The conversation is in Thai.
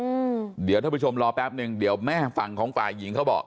อืมเดี๋ยวท่านผู้ชมรอแป๊บหนึ่งเดี๋ยวแม่ฝั่งของฝ่ายหญิงเขาบอก